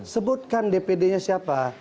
sebutkan dpd nya siapa